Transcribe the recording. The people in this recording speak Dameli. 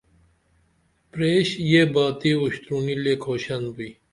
پریش یہ باتی اُروشترونی لے کھوشن بوئی